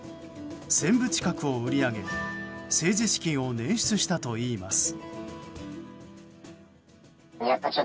１０００部近くを売り上げ政治資金を捻出したといいます。